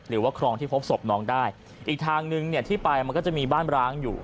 หรือว่าคลองที่พบศพน้องได้อีกทางนึงเนี่ยที่ไปมันก็จะมีบ้านร้างอยู่